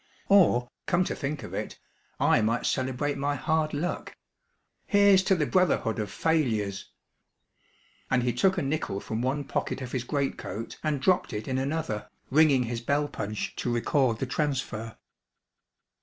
Or, come to think of it, I might celebrate my hard luck. Here's to the brotherhood of failures!" And he took a nickel from one pocket of his great coat and dropped it in another, ringing his bell punch to record the transfer.